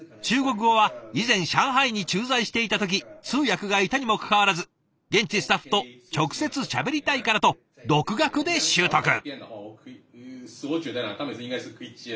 中国語は以前上海に駐在していた時通訳がいたにもかかわらず現地スタッフと直接しゃべりたいからと独学で習得。